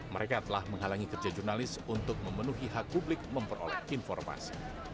mereka telah menghalangi kerja jurnalis untuk memenuhi jurnalis